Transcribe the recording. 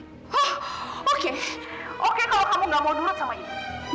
hah oke oke kalau kamu gak mau duet sama ini